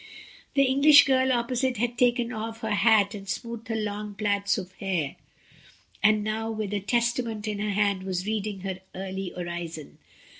... The English girl opposite had taken off her hat and smoothed her long plaits of hair, and now, with a Testament in her hand, was reading her early orison.